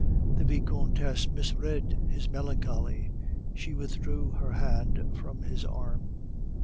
The Vicomtesse misread his melancholy; she withdrew her hand from his arm.